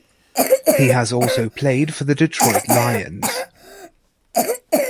He has also played for the Detroit Lions.